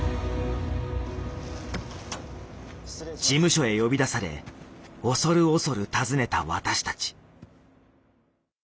事務所へ呼び出され恐る恐る訪ねた私たち。